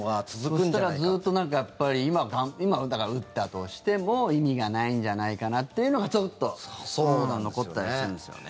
そしたら、ずっとだから、今打ったとしても意味がないんじゃないかなっていうのがちょっと残ったりするんですよね。